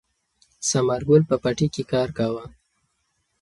ثمر ګل په پټي کې کار کاوه.